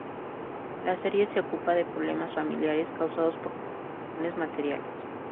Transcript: La serie se ocupa de problemas familiares causados por consideraciones materiales.